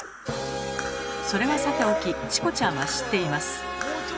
それはさておきチコちゃんは知っています。